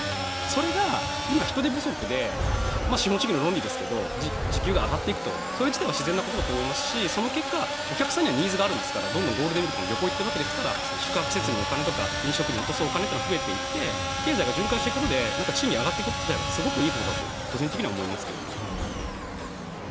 それが今、人手不足で資本主義の論理ですが時給が上がっていくそれ自体は自然なことだと思いますしその結果、お客さんにはニーズがあるんですからゴールデンウィークにも旅行に行ってるわけですから宿泊施設とか飲食に落とすお金は増えていて経済が循環していくことで賃金が上がっていくことはいいことだと個人的には思いますけどね。